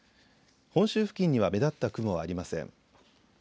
本州付近には目立った雲はありません。